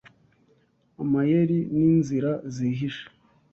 Amayeri n'inzira zihishe